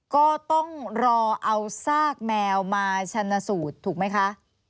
ก็ต้องรอเอาซากแมวมาชันสูตรถูกไหมคะ